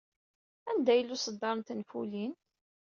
Anda yella uṣeddar n tenfulin?